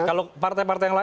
kalau partai partai yang lain